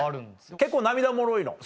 結構涙もろいの？